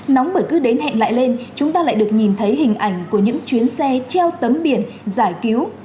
nóng bởi cứ đến hẹn lại lên chúng ta lại được nhìn thấy hình ảnh của những chuyến xe treo tấm biển giải cứu